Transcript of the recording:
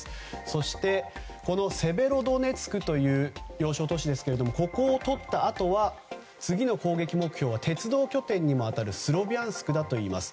そしてセベロドネツクという要衝都市ですがここをとったあとは次の攻撃目標は鉄道拠点にも当たるスロビャンスクだといいます。